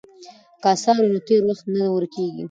که اثار وي نو تېر وخت نه ورکیږي.